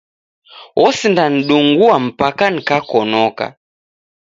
Osindanidungua mpaka nikakonoka.